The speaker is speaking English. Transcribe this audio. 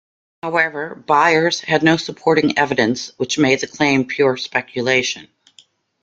However, Byers had no supporting evidence, which made the claim pure speculation.